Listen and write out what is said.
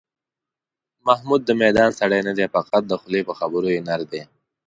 محمود د میدان سړی نه دی، فقط د خولې په خبرو کې نر دی.